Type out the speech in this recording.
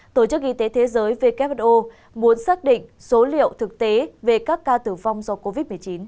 tổ chức y tế thế giới who muốn xác định số liệu thực tế về các ca tử vong do covid một mươi chín